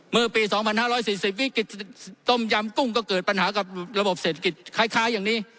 มือปีสองพันห้าร้อยสิบสิบวิตกฤตสมยำกุ้งก็เกิดปัญหากับระบบเศรษฐกิจคล้ายอย่างนี้